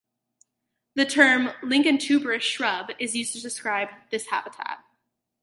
The term lignotuberous shrub is used to describe this habit.